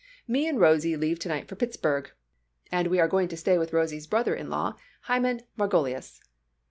Me and Rosie leave tonight for Pittsburg and we are going to stay with Rosies brother in law Hyman Margolius.